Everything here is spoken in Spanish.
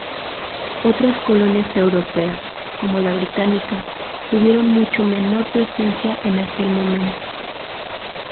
Otras colonias europeas, como la británica, tuvieron mucha menor presencia en aquel momento.